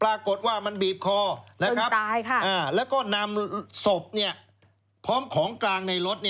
ปรากฏว่ามันบีบคอตายแล้วก็นำศพพร้อมของกลางในรถ